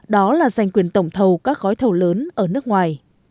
đó là giành quyền tổng thầu các gói thầu lớn ở nước ngoài